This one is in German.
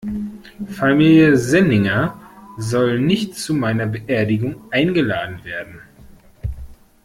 Familie Senninger soll nicht zu meiner Beerdigung eingeladen werden.